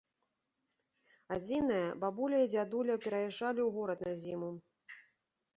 Адзінае, бабуля і дзядуля пераязджалі ў горад на зіму.